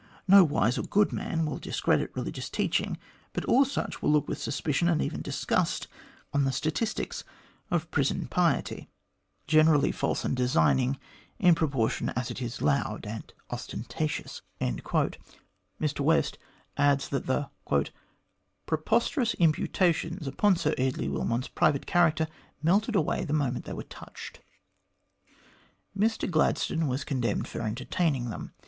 No wise or good man will discredit religious teaching, but all such will look with suspicion, and even disgust, on the statistics of prison piety generally false and designing in proportion as it is loud and ostentatious." 172 THE GLADSTONE COLONY Mr West adds that the "Preposterous imputations upon Sir Eardley Wilmot's private character melted away the moment they were touched. Mr Glad stone was condemned for entertaining them.